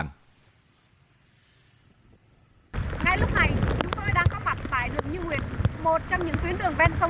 ngay lúc này chúng tôi đang có mặt tại đường như nguyệt một trong những tuyến đường ven sông